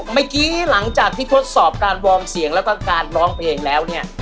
เมื่อกี้หลังจากที่ทดสอบการวอร์มเสียงแล้วก็การร้องเพลงแล้วเนี่ย